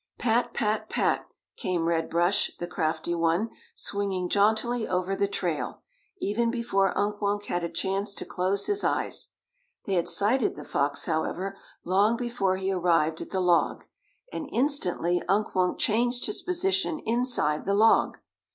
"Pat, pat, pat," came Red Brush the crafty one, swinging jauntily over the trail, even before Unk Wunk had a chance to close his eyes. They had sighted the fox, however, long before he arrived at the log, and instantly Unk Wunk changed his position inside the log.